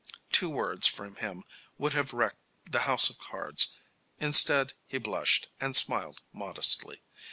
Two words from him would have wrecked the house of cards. Instead, he blushed and smiled modestly.